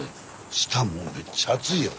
下もうめっちゃ暑いよ。